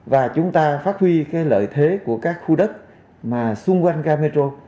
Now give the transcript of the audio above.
và chúng ta phát huy lợi thế của các khu đất xung quanh gà metro